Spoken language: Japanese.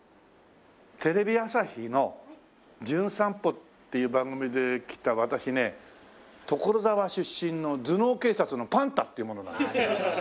テレビ朝日の『じゅん散歩』っていう番組で来た私ね所沢出身の頭脳警察のＰＡＮＴＡっていう者なんですけど。